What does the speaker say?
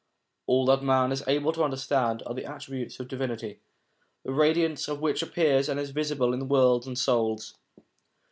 All that man is able to understand are the attributes of Divinity, the radiance of which appears and is visible in worlds and souls.